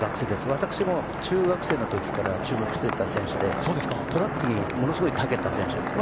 私も中学生の時から注目していた選手でトラックにものすごくたけた選手。